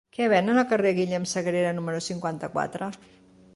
Què venen al carrer de Guillem Sagrera número cinquanta-quatre?